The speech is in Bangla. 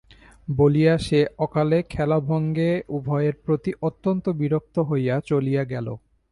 বলিয়া সে অকালে খেলাভঙ্গে উভয়ের প্রতি অত্যন্ত বিরক্ত হইয়া চলিয়া গেল।